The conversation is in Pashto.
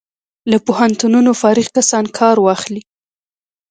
له پوهنتونونو فارغ کسان کار واخلي.